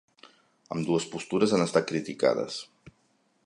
Ambdues postures han estat criticades.